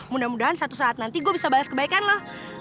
mudah mudahan satu saat nanti gue bisa balas kebaikan loh